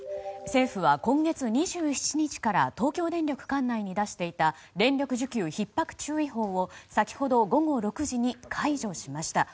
政府は今月２７日から東京電力管内に出していた電力需給ひっ迫注意報を先ほど午後６時に解除しました。